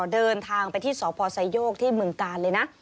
เดินทางไปที่สพไซโยกที่เมืองกาลเลยนะ